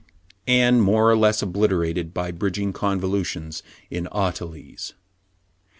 and more or less obliterated by bridging convolutions in Ateles.